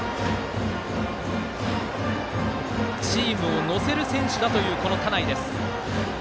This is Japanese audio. チームを乗せる選手だという田内です。